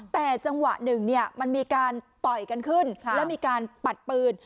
แต่จังหวะหนึ่งเนี่ยมันมีการต่อยกันขึ้นแล้วมีการปัดปืน